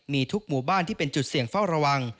มีทุกหมู่บ้านที่เป็นจุดเสี่ยงเฝ้าระวัง